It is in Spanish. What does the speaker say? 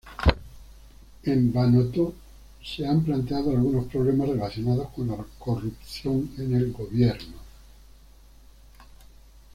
En Vanuatu se han planteado algunos problemas relacionados con la corrupción en el gobierno.